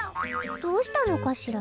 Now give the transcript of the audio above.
どうしたのかしら？